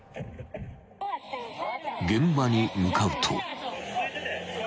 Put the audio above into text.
［現場に向かうと］